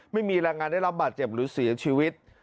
ไม่มีแรงงานได้รับบาดเจ็บหรือเสียชีวิต